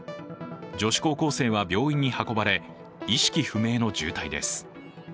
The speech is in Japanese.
女子高校生は病院に運ばれ、意識不明の重体です。